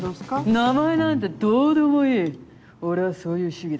名前なんてどうでもいい俺はそういう主義だ。